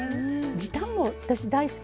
時短も私大好きよ。